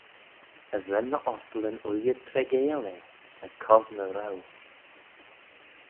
As ren ny ostyllyn ooilley treigeil eh as cosney roue.